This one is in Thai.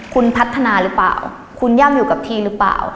คุณพัฒนาหรือเปล่าคุณย่ำอยู่กับทีมหรือเปล่า